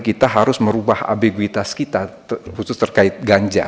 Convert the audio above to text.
kita harus merubah abegitas kita khusus terkait ganja